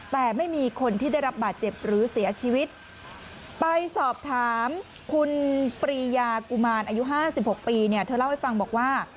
แต่ไม่มีคนที่ได้รับบาดเจ็บหรือเสียชีวิตไปสอบถามคุณปรียากุมารอายุห้าสิบหกปีเนี่ยเธอเล่าให้ฟังบอกว่า